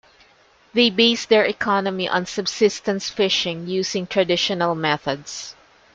They base their economy on subsistence fishing using traditional methods.